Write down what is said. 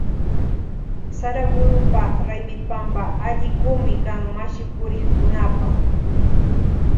Saragurupa raymipampa allikumi kan mashipurikkunapa.